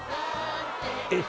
えっ